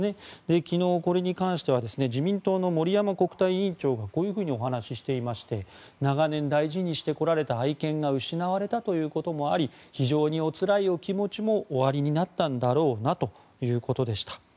昨日、これに関しては自民党の森山国対委員長がこういうふうにお話していまして長年大事にしてこられた愛犬が失われたということもあり非常にお辛いお気持ちもおありになったんだろうなというお話でした。